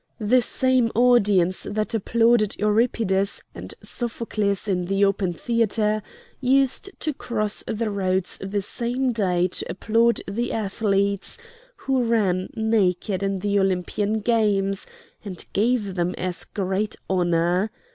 The same audience that applauded Euripides and Sophocles in the open theatre used to cross the road the same day to applaud the athletes who ran naked in the Olympian games, and gave them as great honor.